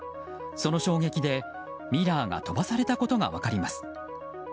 その衝撃で、ミラーが飛ばされたことが分かります。